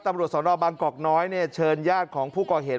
ตำรวจสนบางกอกน้อยเชิญญาติของผู้ก่อเหตุ